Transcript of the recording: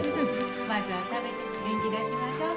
まずは食べて元気出しましょう。